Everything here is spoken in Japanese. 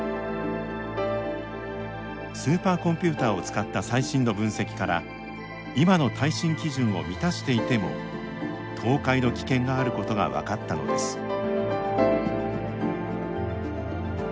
スーパーコンピューターを使った最新の分析から今の耐震基準を満たしていても倒壊の危険があることが分かったのです。